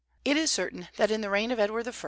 It is certain that in the reign of Edward I.